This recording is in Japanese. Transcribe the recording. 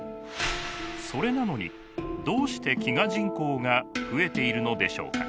それなのにどうして飢餓人口が増えているのでしょうか？